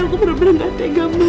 aku bener bener gak tega mah